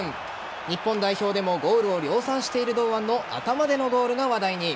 日本代表でもゴールを量産している堂安の頭でのゴールが話題に。